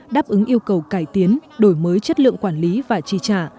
đáp ứng yêu cầu cải tiến đổi mới chất lượng quản lý và chi trả